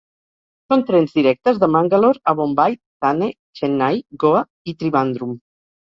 Són trens directes de Mangalore a Bombai, Thane, Chennai, Goa i Trivandrum.